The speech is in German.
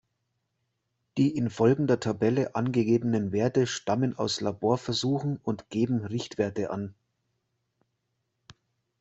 Die in folgender Tabelle angegebenen Werte stammen aus Laborversuchen und geben Richtwerte an.